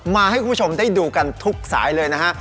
มาให้คุณผู้ชมได้ดูกันทุกสายเลยนะฮะ